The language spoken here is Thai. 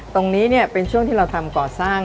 ตรงนี้เป็นช่วงที่เราทำก่อสร้าง